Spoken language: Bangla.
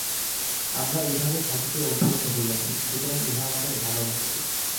আমরা এইভাবে থাকিতে অভ্যস্ত হইয়াছি, সুতরাং ইহা আমাদের ভাল লাগে।